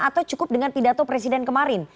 atau cukup dengan pidato presiden kemarin